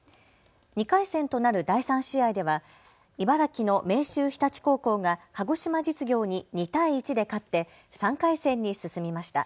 ２回戦となる第３試合では茨城の明秀日立高校が鹿児島実業に２対１で勝って３回戦に進みました。